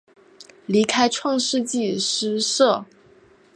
离开创世纪诗社。